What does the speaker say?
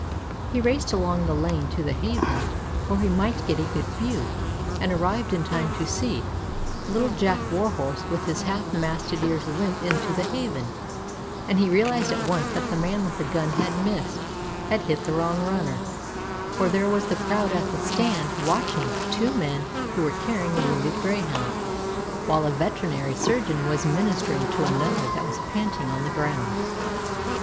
He raced along the lane to the Haven, where he might get a good view, and arrived in time to see Little Jack Warhorse with his half masted ears limp into the Haven; and he realized at once that the man with the gun had missed, had hit the wrong runner, for there was the crowd at the Stand watching two men who were carrying a wounded Greyhound, while a veterinary surgeon was ministering to another that was panting on the ground.